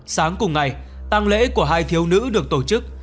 sáng cùng ngày tăng lễ của hai thiếu nữ được tổ chức